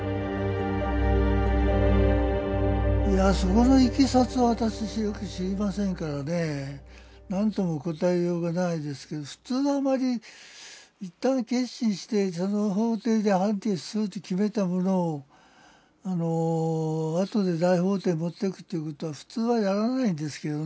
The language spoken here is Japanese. いやそこのいきさつは私よく知りませんからねなんとも答えようがないですけど普通はあまり一旦結審してその法廷で判決すると決めたものをあとで大法廷持ってくっていうことは普通はやらないんですけどね。